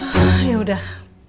hah ya udah